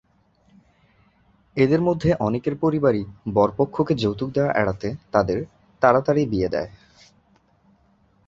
এদের মধ্যে অনেকের পরিবারই বরপক্ষকে যৌতুক দেওয়া এড়াতে তাদের তাড়াতাড়ি বিয়ে দেয়।